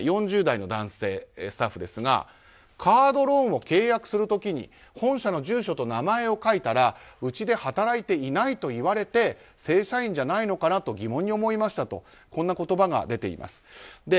４０代男性スタッフですがカードローンを契約する時に本社の住所と名前を書いたらうちで働いていないと言われて正社員じゃないのかなと疑問に思いましたとこんな言葉が出ています。